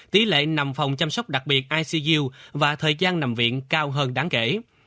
tỷ lệ nằm phòng chăm sóc đặc biệt icg và thời gian nằm viện cao hơn đáng kể